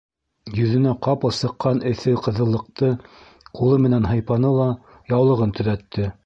Йөҙөнә ҡапыл сыҡҡан эҫе ҡыҙыллыҡты ҡулы менән һыйпаны ла яулығын төҙәтте.